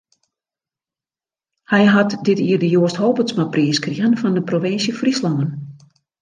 Hy hat dit jier de Joast Halbertsmapriis krige fan de Provinsje Fryslân.